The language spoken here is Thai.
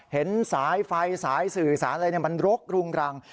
เห็นสายไฟสายสื่อสารอะไรมันรกรุงรัง